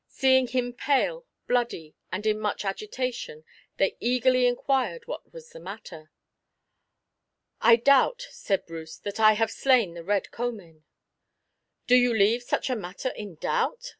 Seeing him pale, bloody, and in much agitation they eagerly inquired what was the matter. "I doubt," said Bruce, "that I have slain the Red Comyn." "Do you leave such a matter in doubt?"